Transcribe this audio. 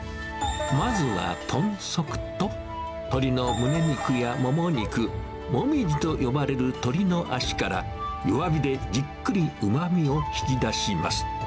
まずは豚足と、鶏のむね肉やもも肉、モミジと呼ばれる鶏の足から、弱火でじっくりうまみを引き出します。